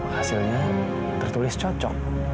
hasilnya tertulis cocok